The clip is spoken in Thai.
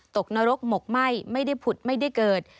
นรกหมกไหม้ไม่ได้ผุดไม่ได้เกิด